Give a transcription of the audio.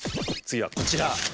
次はこちら。